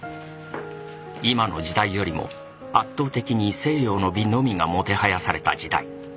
今の時代よりも圧倒的に西洋の美のみがもてはやされた時代。